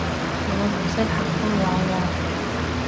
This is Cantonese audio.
我唔識客家話喎